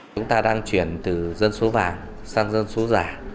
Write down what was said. chúng ta đang chuyển từ dân số vàng sang dân số giả